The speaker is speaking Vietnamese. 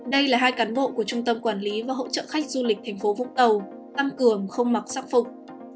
đây là hai cán bộ của trung tâm quản lý và hỗ trợ khách du lịch thành phố vũng tàu tăng cường không mặc sắc phục